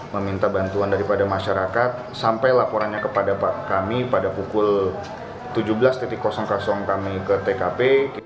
meminta bantuan daripada masyarakat sampai laporannya kepada kami pada pukul tujuh belas kami ke tkp